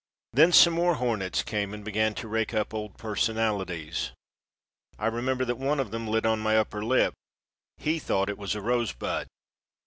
Then some more hornets came and began to rake up old personalities. I remember that one of them lit on my upper lip. He thought it was a rosebud.